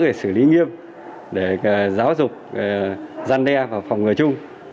để xử lý nghiêm để giáo dục gian đe và phòng ngừa chung